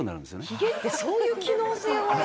ヒゲってそういう機能性を？